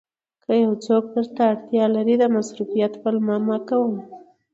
که یو څوک درته اړتیا لري مصروفیت پلمه مه کوئ.